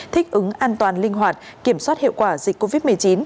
thích ứng an toàn linh hoạt kiểm soát hiệu quả dịch covid một mươi chín